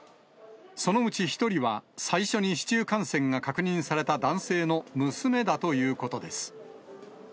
そのうち１人は、最初に市中感染が確認された男性の娘だということです。